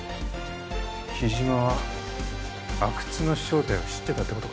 木嶋は阿久津の正体を知ってたってことか。